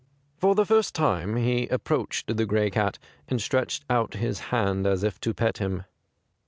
For the first time he approached the gray cat, and stretched out his hand as if to pet him.